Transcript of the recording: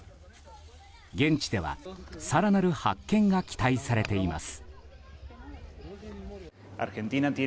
現地では、更なる発見が期待されています。